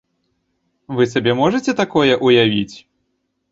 Вы сабе можаце такое ўявіць?!